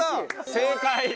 正解！